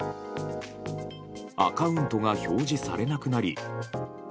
アカウントが表示されなくなり。